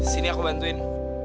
sini aku bantuin